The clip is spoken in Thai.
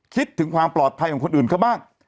คิดถึงความปลอดภัยของคนอื่นเขาบ้าง